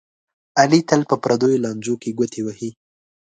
علي تل په پردیو لانجو کې ګوتې وهي.